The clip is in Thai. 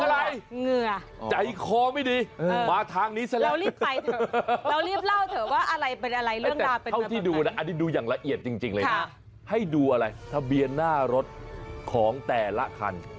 เรารีบไปเถอะเรารีบเล่าเถอะว่าอะไรเป็นอะไรเรื่องราวเป็นอะไร